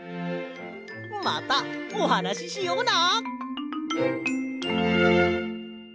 またおはなししような。